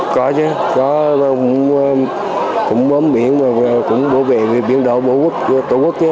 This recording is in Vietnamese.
có chứ có cũng bám biển và cũng bảo vệ biển đổ bổ quốc chứ